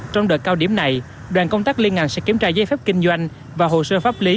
trong đợt cao điểm này đoàn công tác liên ngành sẽ kiểm tra giấy phép kinh doanh và hồ sơ pháp lý